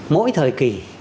mỗi thời kỳ